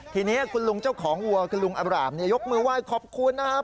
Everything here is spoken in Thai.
ทีนี้คุณลุงเจ้าของวัวคือลุงอบรามยกมือไหว้ขอบคุณนะครับ